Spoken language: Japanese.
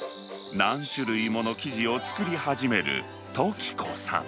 何種類もの生地を作り始める富貴子さん。